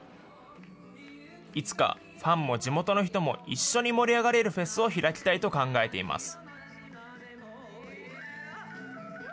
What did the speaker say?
いつか、ファンも地元の人も一緒に盛り上がれるフェスを開きたいと考えています。